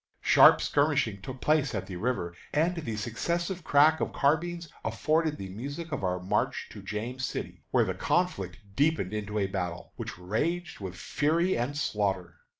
Sharp skirmishing took place at the river, and the successive crack of carbines afforded the music of our march to James City, where the conflict deepened into a battle, which raged with fury and slaughter.